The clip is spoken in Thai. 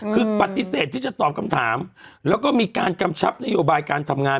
คือปฏิเสธที่จะตอบคำถามแล้วก็มีการกำชับนโยบายการทำงาน